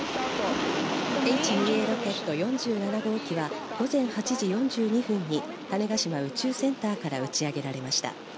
Ｈ２Ａロケット４７号機は午前８時４２分に種子島宇宙センターから打ち上げられました。